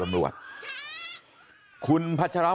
บอกแล้วบอกแล้วบอกแล้ว